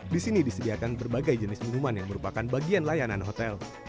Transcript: di sini disediakan berbagai jenis minuman yang merupakan bagian layanan hotel